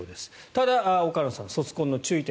ただ、岡野さん卒婚の注意点。